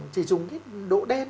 chỉ dùng cái độ đen